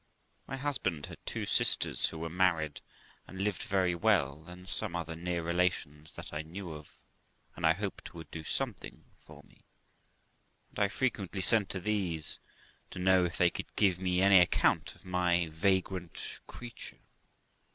My husband had two sisters, who were married, and lived very well, and some other near relations that I knew of, and I hoped would do something for me; and I frequently sent to these, to know if they could give me any account of my vagrant creature.